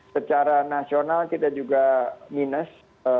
secara nasional kita juga minus